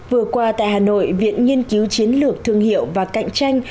vừa qua tại hà nội viện nghiên cứu chiến lược thương hiệu và cạnh tranh